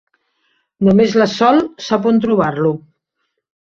Només la Sol sap on trobar-lo.